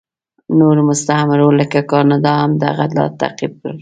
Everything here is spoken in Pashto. نورو مستعمرو لکه کاناډا هم دغه لار تعقیب کړه.